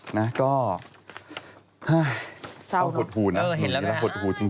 เฮ้ยต้องหดหู่นะหนูถึงจะหดหู่จริง